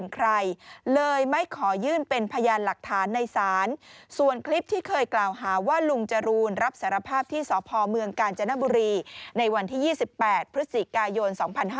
กล่าวหาว่าลุงจรูนรับสารภาพที่สมกาญจนบุรีในวันที่๒๘พฤศจิกายน๒๕๖๐